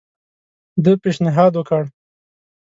ده پېشنهاد وکړ.